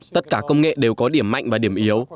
tất cả công nghệ đều có điểm mạnh và điểm yếu